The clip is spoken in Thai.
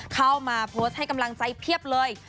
เข้ามาโพสต์ให้กำลังใจเพียบเลย